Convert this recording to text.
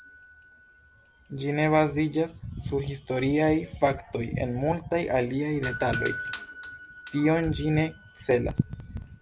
Ĝi ne baziĝas sur historiaj faktoj en multaj aliaj detaloj; tion ĝi ne celas.